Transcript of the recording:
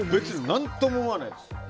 何とも思わないです。